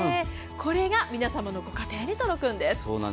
これが皆様のご家庭に届くんです。